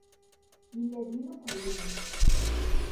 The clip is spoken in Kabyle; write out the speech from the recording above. Yella din uqbel-im.